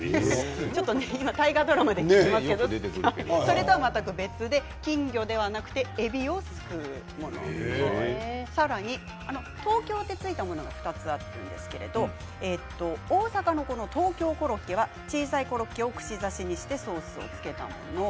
今大河ドラマで聞いていますけれどもそれとは全く別で金魚ではなくてえびをすくうものさらに東京と付いたものが２つあるんですけど大阪の東京コロッケは小さいコロッケを串刺しにしてソースをつけたもの。